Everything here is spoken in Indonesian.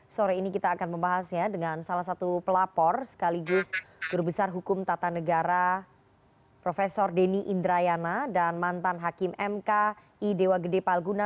sore ini kita akan membahasnya dengan salah satu pelapor sekaligus guru besar hukum tata negara prof denny indrayana dan mantan hakim mk i dewa gede palguna